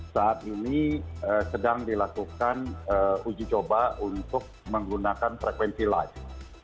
saat ini sedang dilakukan uji coba untuk menggunakan frekuensi live